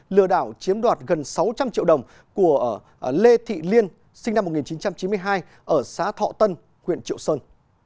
lừa đảo chiếm đoạt gần sáu trăm linh triệu đồng của lê thị liên sinh năm một nghìn chín trăm chín mươi hai ở xã thọ tân huyện triệu sơn